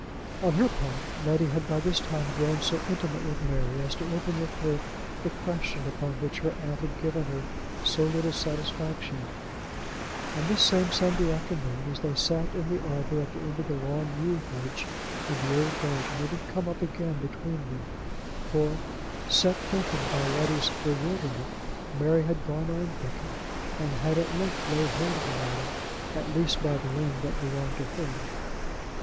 On her part, Letty had by this time grown so intimate with Mary as to open with her the question upon which her aunt had given her so little satisfaction; and this same Sunday afternoon, as they sat in the arbor at the end of the long yew hedge in the old garden, it had come up again between them; for, set thinking by Letty's bewilderment, Mary had gone on thinking, and had at length laid hold of the matter, at least by the end that belonged to her.